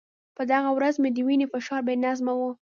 په دغه ورځ مې د وینې فشار بې نظمه و.